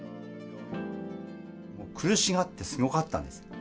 苦しがってすごかったんですよ。